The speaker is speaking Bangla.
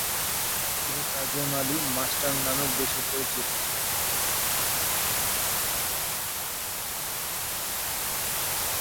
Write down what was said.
তিনি কাজেম আলী মাস্টার নামে বেশি পরিচিত।